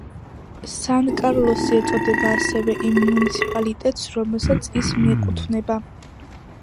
სან-კარლოსი ეწოდება ასევე იმ მუნიციპალიტეტს, რომელსაც ის მიეკუთვნება.